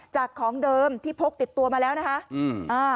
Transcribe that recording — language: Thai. ของเดิมที่พกติดตัวมาแล้วนะคะ